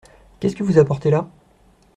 Qu’est-ce que vous apportez là ?